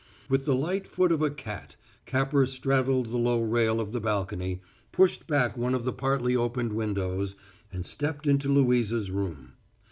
With the light foot of a cat, Capper straddled the low rail of the balcony, pushed back one of the partly opened windows, and stepped into Louisa's room.